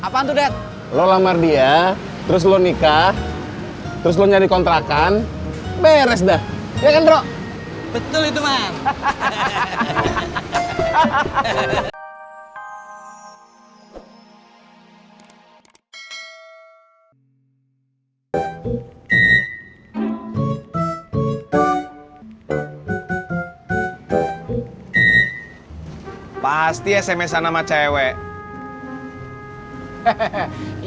pasti sms an sama cewek